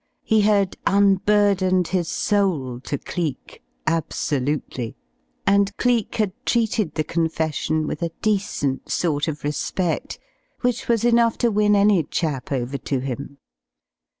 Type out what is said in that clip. He had unburdened his soul to Cleek absolutely. And Cleek had treated the confession with a decent sort of respect which was enough to win any chap over to him.